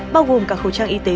bao gồm cả khẩu trang y tế